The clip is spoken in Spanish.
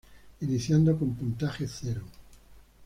Iniciando con puntaje cero.